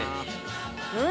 うん！